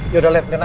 ya udah latrina